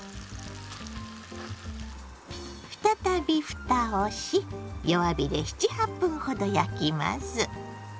再びふたをし弱火で７８分ほど焼きます。